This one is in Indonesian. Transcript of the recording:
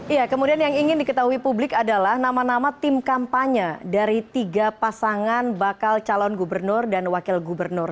iya kemudian yang ingin diketahui publik adalah nama nama tim kampanye dari tiga pasangan bakal calon gubernur dan wakil gubernur